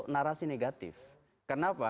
narasi negatif kenapa